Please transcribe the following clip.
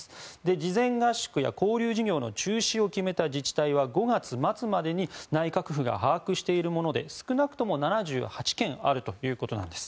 事前合宿や交流事業の中止を決めた自治体は５月末までに内閣府が把握しているもので少なくとも７８件あるということです。